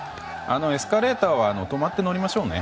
エスカレーターは止まって乗りましょうね。